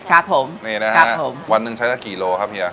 ครับผมนี่นะครับผมวันหนึ่งใช้สักกี่โลครับเฮีย